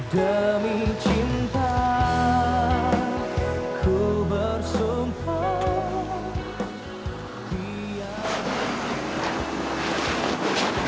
demi cinta ku bersumpah